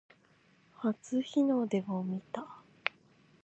初日の出を見た